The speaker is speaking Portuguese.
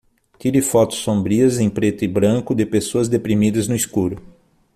Tire fotos sombrias em preto e branco de pessoas deprimidas no escuro.